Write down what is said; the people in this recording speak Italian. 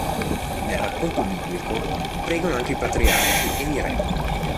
Nel racconto biblico, pregano anche i patriarchi e i re.